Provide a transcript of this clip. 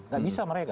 tidak bisa mereka